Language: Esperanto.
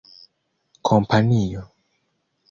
kompanio